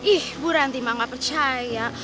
ih buranti emang enggak percaya